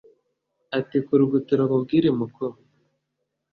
atikurugutura nkubwire muko